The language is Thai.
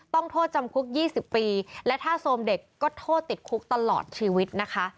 โทษจำคุก๒๐ปีและถ้าโซมเด็กก็โทษติดคุกตลอดชีวิตนะคะ